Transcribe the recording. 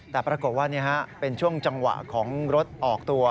แต่ปรากฏว่าเป็นช่วงจังหวะของรถออกตัว